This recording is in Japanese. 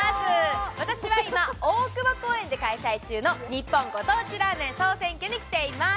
私は今、大久保公園で開催中の日本ご当地ラーメン総選挙に来ています。